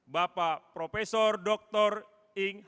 bapak profesor doktor ing hajar